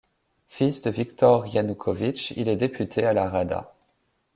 Fils de Viktor Ianoukovytch, il est député à la Rada.